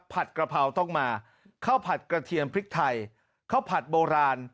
กระเพราต้องมาข้าวผัดกระเทียมพริกไทยข้าวผัดโบราณ